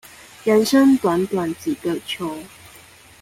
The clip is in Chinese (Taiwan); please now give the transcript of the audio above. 人生短短幾個秋